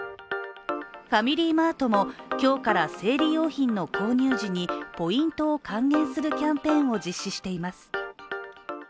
ファミリーマートも今日から生理用品の購入時に、ポイントを還元するキャンペーンを実施しています。